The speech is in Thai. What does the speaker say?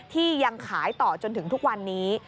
ที่ยังขายต่อจนถึงทุกวันนี้